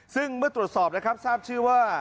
ซึ่งเมื่อตรวจสอบนะครับทราบชื่อว่า